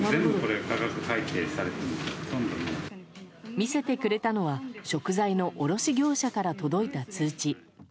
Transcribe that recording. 見せてくれたのは食材の卸業者から届いた通知。